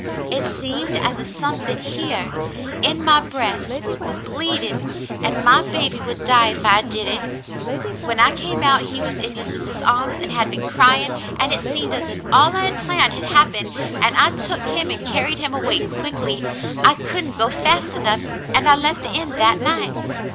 It seemed as if something here in my breast was bleeding, and my baby would die if I did it. When I came out, he was in your sister's arms and had been crying, and it seemed as if all I had planned had happened, and I took him and carried him away quickly. I couldn't go fast enough, and I left the inn that night.